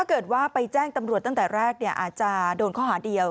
ถ้าเกิดว่าไปแจ้งตำรวจตั้งแต่แรกอาจจะโดนข้อหาเดียว